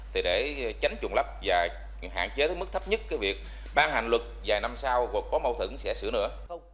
và hạn chế tới mức thấp nhất cái việc ban hành luật vài năm sau có mâu thửng sẽ xử nữa